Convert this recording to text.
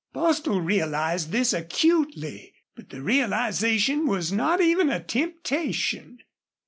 Bostil realized this acutely, but the realization was not even a temptation.